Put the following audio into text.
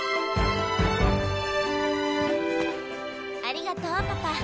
ありがとうパパ。